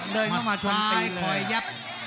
เดินเข้ามาชนตีคอยยับ